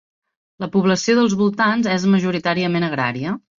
La població dels voltants és majoritàriament agrària.